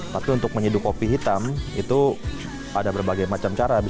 tapi untuk menyeduh kopi hitam itu ada berbagai macam cara